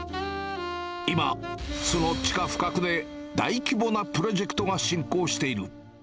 今、その地下深くで大規模なプロジェクトが進行している。